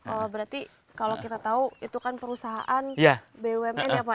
oh berarti kalau kita tahu itu kan perusahaan bumn ya pak